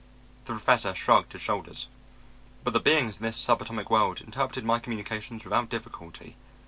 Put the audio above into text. The Professor shrugged his shoulders. 'But the beings in this sub atomic world interpreted my communications without difficulty.